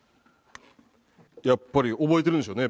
やっぱり覚えてるんでしょうね